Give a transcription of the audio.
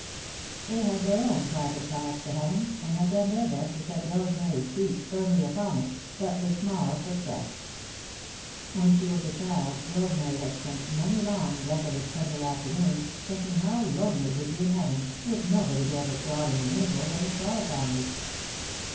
They had their own private path to Heaven, and had done their best to set Rosemary's feet firmly upon it, but with small success. When she was a child, Rosemary had spent many long, desolate Sunday afternoons thinking how lonely it would be in Heaven with nobody there but God and the angels and the Starr family.